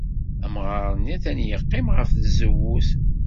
Amɣar-nni atan yeqqim ɣer tzewwut.